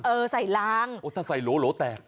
เออใส่รังถ้าใส่โหลโหลแตก